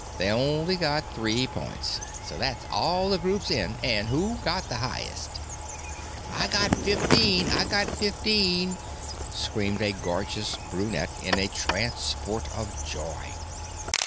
They on'y got three points. So that's all the groups in an' who got the highest?" "I got fifteen! I got fifteen!" screamed a gorgeous brunette in a transport of joy.